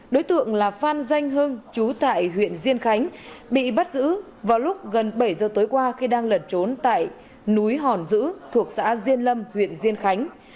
đối tượng là phan danh hưng chú tại huyện diên khánh bị bắt giữ vào lúc gần bảy giờ tối qua khi đang lẩn trốn tại núi hòn dữ thuộc xã diên lâm huyện diên khánh